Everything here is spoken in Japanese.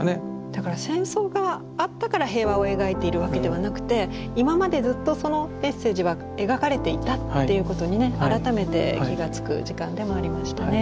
だから戦争があったから平和を描いているわけではなくて今までずっとそのメッセージは描かれていたっていうことにね改めて気がつく時間でもありましたね。